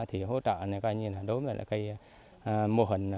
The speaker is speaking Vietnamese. hỗ trợ đối với cây mô hình